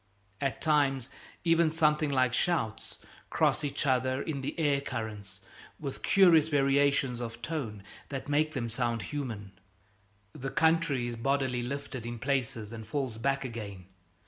At times, even, something like shouts cross each other in the air currents, with curious variation of tone that make the sound human. The country is bodily lifted in places and falls back again.